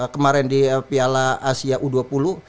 kemarin di piala asia u dua puluh